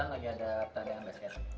kamu bantu ya